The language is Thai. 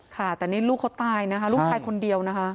ค่ะแต่นี่ลูกเขาตายนะคะลูกชายคนเดียวนะคะ